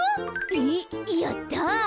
えっやった！